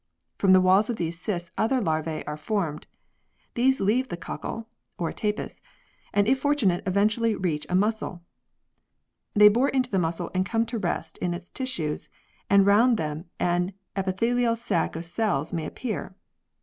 From the walls of these cysts other larvae are formed. These leave the cockle (or Tapes) and if fortunate eventually reach a mussel. They bore into the mussel and come to rest in its tissues, and round them an epithelial sac of cells may appear.